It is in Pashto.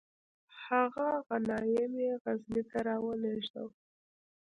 هغه غنایم یې غزني ته را ولیږدول.